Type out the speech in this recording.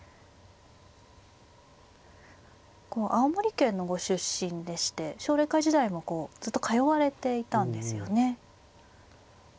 青森県のご出身でして奨励会時代もこうずっと通われていたんですよね。